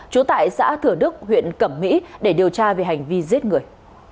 chú tại xã thửa đức huyện cẩm mỹ để điều tra về hành vi giết người